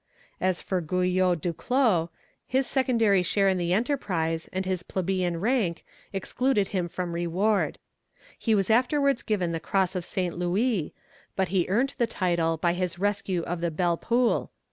As for Guyot Duclos, his secondary share in the enterprise, and his plebeian rank, excluded him from reward. He was afterwards given the cross of St. Louis, but he earned the title by his rescue of the Belle Poule.